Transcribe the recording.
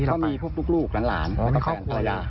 ก็มีพวกลูกล้านแล้วก็แขวนต่อยา